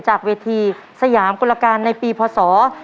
จากเวทีสยามกลการในปีพศ๒๕๖